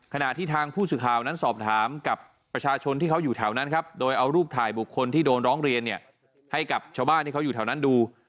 ขณะที่ทางผู้สื่อข่าวนั้นสอบถามกับประชาชนที่เขาอยู่แถวนั้นครับโดยเอารูปถ่ายบุคคลที่โดนร้องเรียนเนี่ยให้กับชาวบ้านที่เขาอยู่แถวนั้นดู